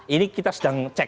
ini kita sedang cek